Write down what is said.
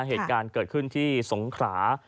เหตุการณ์เกิดขึ้นที่สงขรา